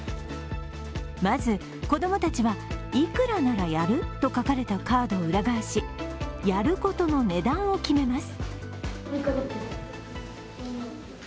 まず子供たちは、「いくらならやる？」と書かれたカードを裏返し、やることの値段を決めます。